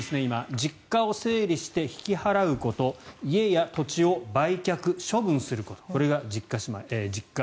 実家を整理して引き払うこと家や土地を売却・処分することこれが実家じまい。